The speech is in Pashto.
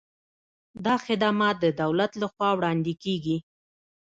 دا خدمات د دولت له خوا وړاندې کیږي.